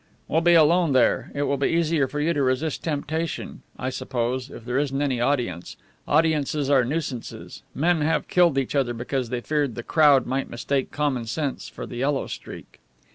"We'll be alone there. It will be easier for you to resist temptation, I suppose, if there isn't any audience. Audiences are nuisances. Men have killed each other because they feared the crowd might mistake common sense for the yellow streak."